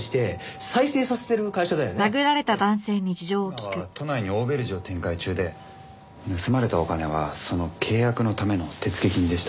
今は都内にオーベルジュを展開中で盗まれたお金はその契約のための手付金でした。